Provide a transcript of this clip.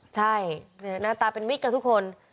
ใช่หน้าตาเป็นมิตรกับทุกคน